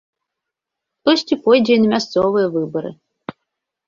Хтосьці пойдзе і на мясцовыя выбары.